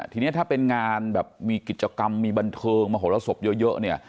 ทีนี้ถ้าเป็นงานแบบมีกิจกรรมมีบันเทิงมโหรสบเยอะเนี่ย